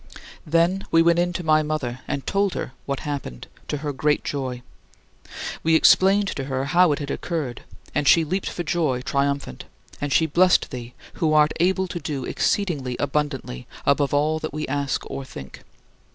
Then we went in to my mother, and told her what happened, to her great joy. We explained to her how it had occurred and she leaped for joy triumphant; and she blessed thee, who art "able to do exceedingly abundantly above all that we ask or think."